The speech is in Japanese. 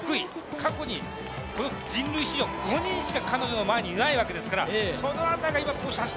過去に人類史上５人しか彼女の前にいないわけですから。